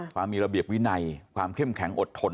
ความมีระเบียบวินัยความเข้มแข็งอดทน